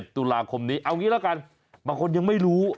ตุลาคมนี้เอางี้ละกันบางคนยังไม่รู้